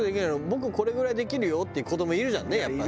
「僕これぐらいできるよ」っていう子どもいるじゃんねやっぱ。